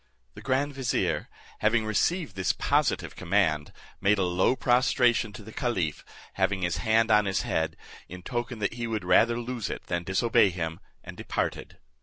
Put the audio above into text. The grand vizier, having received this positive command, made a low prostration to the caliph, having his hand on his head, in token that he would rather lose it than disobey him, and departed.